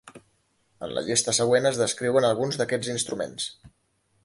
En la llista següent es descriuen alguns d'aquests instruments.